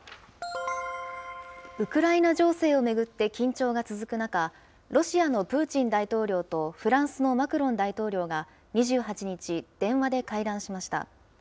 ウクライナ情勢を巡って緊張が続く中、ロシアのプーチン大統領と、フランスのマクロン大統領が２８日、電話で会談しました。